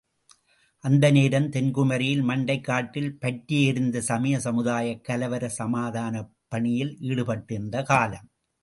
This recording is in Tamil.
அந்த நேரம் தென்குமரியில் மண்டைக் காட்டில் பற்றி எரிந்த சமய சமுதாயக் கலவரச் சமாதானப் பணியில் ஈடுபட்டிருந்த காலம்!